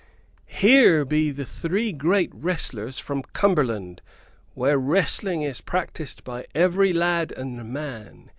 "Here be the three great wrestlers from Cumberland, where wrestling is practised by every lad and man!